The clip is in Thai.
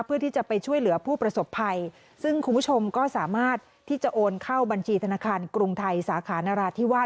เพื่อที่จะไปช่วยเหลือผู้ประสบภัยซึ่งคุณผู้ชมก็สามารถที่จะโอนเข้าบัญชีธนาคารกรุงไทยสาขานราธิวาส